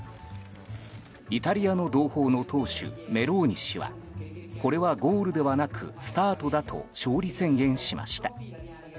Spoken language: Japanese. イタリアの同胞の党首メローニ氏はこれはゴールではなくスタートだと勝利宣言しました。